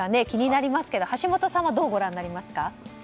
気になりますけど橋下さんはどうご覧になりますか。